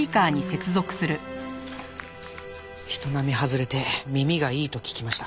人並み外れて耳がいいと聞きました。